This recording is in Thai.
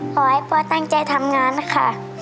ขอให้พ่อตั้งใจทำงานค่ะ